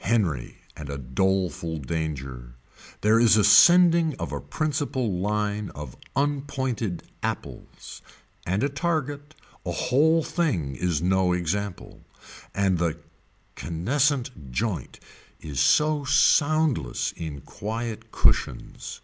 Henry and a doleful danger. There is a sending of a principle line of unpointed apples, and a target, a whole thing is no example. And the caneseat joint is so soundless in quiet cushions.